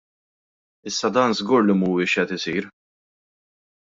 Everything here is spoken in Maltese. Issa dan żgur li mhuwiex qed isir.